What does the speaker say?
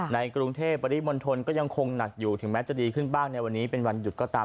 ในกรุงเทพปริมณฑลก็ยังคงหนักอยู่ถึงแม้จะดีขึ้นบ้างในวันนี้เป็นวันหยุดก็ตาม